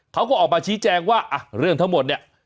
เขาก็ออกมาชี้แจงว่าเรื่องทั้งหมดเนี่ย